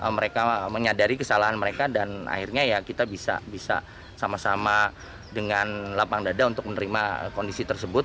mereka menyadari kesalahan mereka dan akhirnya ya kita bisa sama sama dengan lapang dada untuk menerima kondisi tersebut